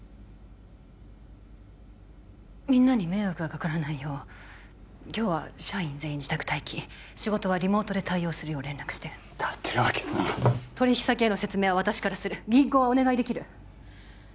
みんなに迷惑がかからないよう今日は社員全員自宅待機仕事はリモートで対応するよう連絡して立脇さん取引先への説明は私からする銀行はお願いできる？